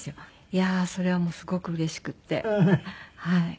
いやあそれはもうすごくうれしくてはい。